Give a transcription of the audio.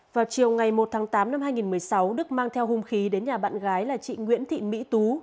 vào chiều ngày một tháng tám năm hai nghìn một mươi sáu đức mang theo hung khí đến nhà bạn gái là chị nguyễn thị mỹ tú